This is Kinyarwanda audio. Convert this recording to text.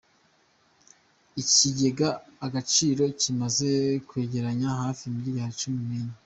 Ikigega Agaciro kimaze kwegeranya hafi miliyari Cumi nenye